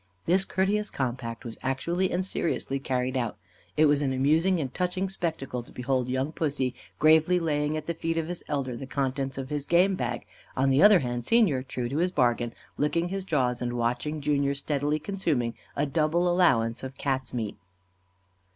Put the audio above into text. This courteous compact was actually and seriously carried out. It was an amusing and touching spectacle, to behold young Pussy gravely laying at the feet of his elder the contents of his game bag; on the other hand, Senior, true to his bargain, licking his jaws and watching Junior steadily consuming a double allowance of Cat's meat.